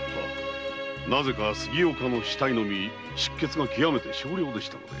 なぜか杉岡の死体のみ出血がきわめて少量でした。